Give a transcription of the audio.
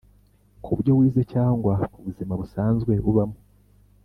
kubyo wize cyangwa ku buzima busanzwe ubamo